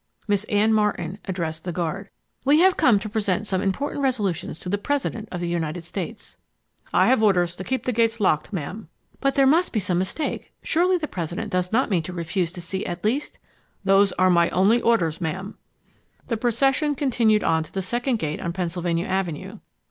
Miss Anne, Martin addressed the guard— "We have come to present some important resolutions to the President of the United States." "I have orders to keep the gates locked, Ma'am." "But there must be some mistake. Surely the President does not mean to refuse to see at least ..." "Those are my only orders, Ma'am." The procession continued on to the second gate on Pennsylvania Avenue.